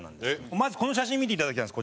まずこの写真見ていただきます。